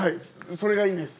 それがいいんです。